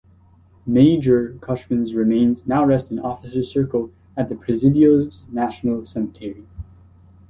"Major" Cushman's remains now rest in Officer's Circle at the Presidio's National Cemetery.